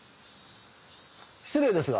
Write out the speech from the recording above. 失礼ですが。